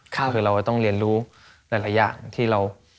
คือเราต้องเรียนรู้หลายอย่างที่เรา